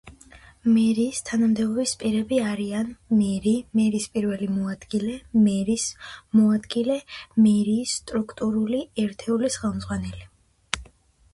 მერიის თანამდებობის პირები არიან: მერი; მერის პირველი მოადგილე; მერის მოადგილე; მერიის სტრუქტურული ერთეულის ხელმძღვანელი.